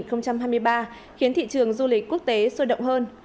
khiến thị trường du lịch quốc tế sôi động hơn